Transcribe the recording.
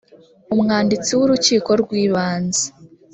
umwanditsi w urukiko rw ibanze